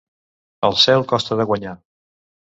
El cel costa de guanyar.